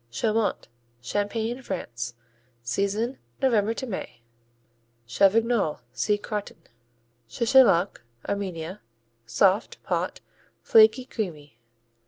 Chaumont Champagne, France Season November to May. Chavignol see Crottin. Chechaluk Armenia Soft; pot; flaky; creamy.